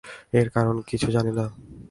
এর কারণ কিছু জানি না।